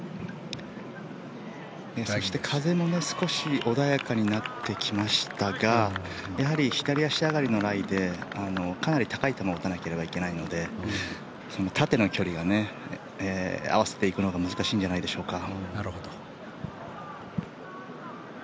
そして、風も少し穏やかになってきましたがやはり左足上がりのライでかなり高い球を打たなきゃいけないので縦の距離を合わせていくのが難しいんじゃないでしょうか。